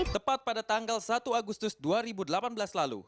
tepat pada tanggal satu agustus dua ribu delapan belas lalu